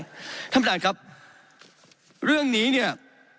ท่านประธานครับเรื่องนี้เนี่ย